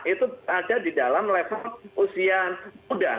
itu ada di dalam level usia muda